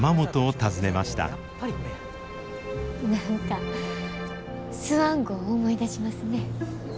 何かスワン号思い出しますね。